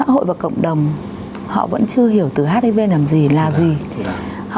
hồi lớp mẫu giáo